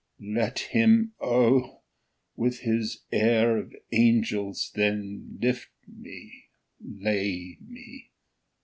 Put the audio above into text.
Let him Oh! with his air of angels then lift me, lay me!